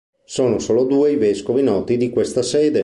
Sono solo due i vescovi noti di questa sede.